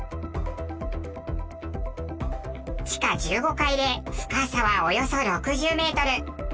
地下１５階で深さはおよそ６０メートル。